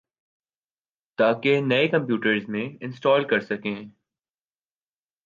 تاکہ نئی کمپیوٹرز میں انسٹال کر سکیں